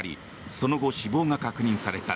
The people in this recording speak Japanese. その後、死亡が確認された。